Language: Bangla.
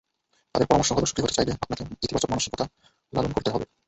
তাঁদের পরামর্শ হলো, সুখী হতে চাইলে আপনাকে ইতিবাচক মানসিকতা লালন করতে হবে।